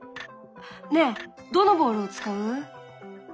ねえどのボールを使う？